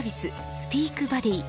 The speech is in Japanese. スピークバディ。